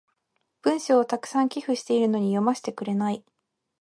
文章を沢山寄付してるのに読ませてくれない。